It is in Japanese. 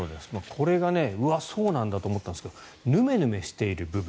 これが、うわ、そうなんだと思ったんですがヌメヌメしている部分。